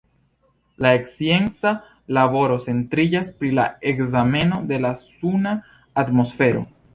Lia scienca laboro centriĝas pri la ekzameno de la suna atmosfero.